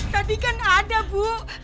tadi kan ada bu